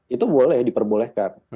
itu boleh diperbolehkan